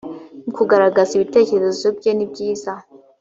mu kugaragaza ibitekerezo bye nibyiza